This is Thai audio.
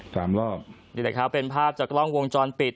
สามรอบนี่แหละครับเป็นภาพจากกล้องวงจรปิด